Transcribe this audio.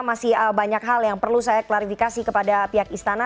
masih banyak hal yang perlu saya klarifikasi kepada pihak istana